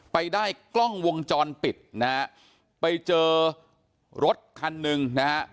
ไปได้กล้องวงจรปิดไปเจอรถคันหนึ่ง